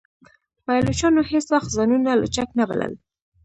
پایلوچانو هیڅ وخت ځانونه لوچک نه بلل.